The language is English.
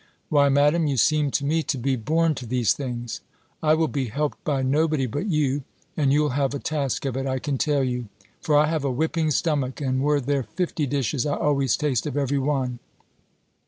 Why, Madam, you seem to me to be born to these things! I will be helped by nobody but you And you'll have a task of it, I can tell you; for I have a whipping stomach, and were there fifty dishes, I always taste of every one."